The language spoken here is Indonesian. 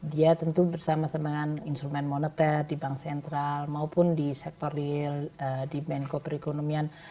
dia tentu bersama sama dengan instrumen moneter di bank sentral maupun di sektor real di menko perekonomian